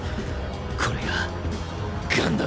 これがガンダム。